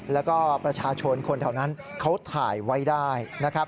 แล้วก็ประชาชนคนเท่านั้นเขาถ่ายไว้ได้